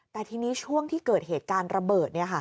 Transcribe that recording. แต่ทีนี้ช่วงที่เกิดเหตุการณ์ระเบิด